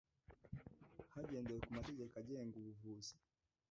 hagendewe ku mategeko agenga ubuvuzi